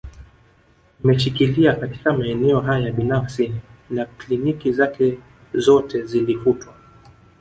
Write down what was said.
Imeshikilia katika maeneo haya binafsi na kliniki zake zpote zilifutwa